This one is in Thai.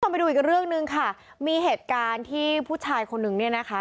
ไปดูอีกเรื่องหนึ่งค่ะมีเหตุการณ์ที่ผู้ชายคนนึงเนี่ยนะคะ